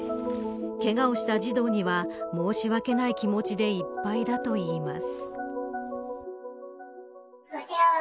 けがをした児童には、申し訳ない気持ちでいっぱいだといいます。